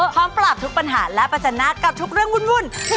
พร้อมปรับทุกประหารและปัจจณะกับทุกเรื่องวุ่น